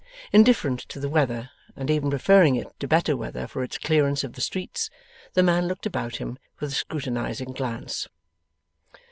Indifferent to the weather, and even preferring it to better weather for its clearance of the streets, the man looked about him with a scrutinizing glance.